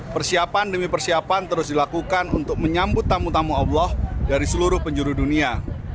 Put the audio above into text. persiapan demi persiapan terus dilakukan untuk menyambut tamu tamu allah dari seluruh penjuru dunia